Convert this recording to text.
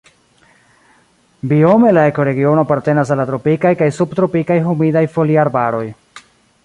Biome la ekoregiono apartenas al la tropikaj kaj subtropikaj humidaj foliarbaroj.